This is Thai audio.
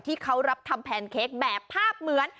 ที่เขารับทำแพนเค้กแบบภาพเหมือน